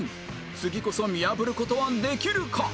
次こそ見破る事はできるか？